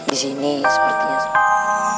ini ini seperti yang saya inginkan